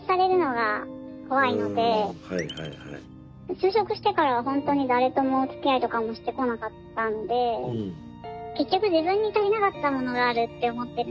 就職してからは本当に誰ともおつきあいとかもしてこなかったんで結局自分に足りなかったものがあるって思ってるんですよね